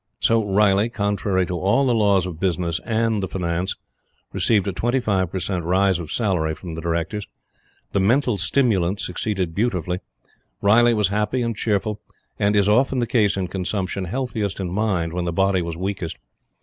So Riley, contrary to all the laws of business and the finance, received a 25 per cent, rise of salary from the Directors. The "mental stimulant" succeeded beautifully. Riley was happy and cheerful, and, as is often the case in consumption, healthiest in mind when the body was weakest.